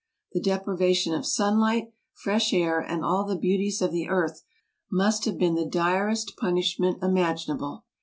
The deprivation of sunlight, fresh air, and all the beauties of the earth must have been the direst punishment imaginable.